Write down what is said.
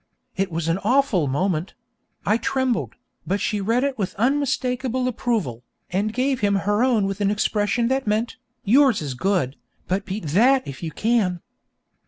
It was an awful moment; I trembled, but she read it with unmistakable approval, and gave him her own with an expression that meant, 'Yours is good, but beat that if you can!'